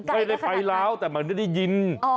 ไม่ได้ไปล้าวแต่เหมือนได้ยิน